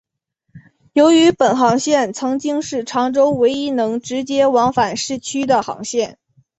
由于本航线曾经是长洲唯一能直接往返市区的航线。